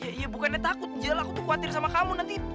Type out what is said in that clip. ya bukannya takut jel aku tuh khawatir sama kamu nanti